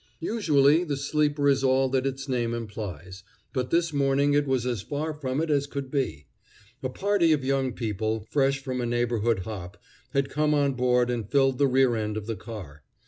Usually the sleeper is all that its name implies, but this morning it was as far from it as could be. A party of young people, fresh from a neighborhood hop, had come on board and filled the rear end of the car.